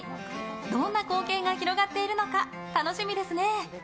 どんな光景が広がっているのか楽しみですね。